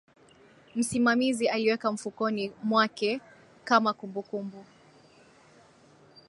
msimamizi aliweka mfukoni mwake kama kumbukumbu